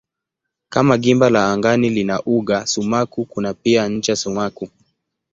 Kama gimba la angani lina uga sumaku kuna pia ncha sumaku.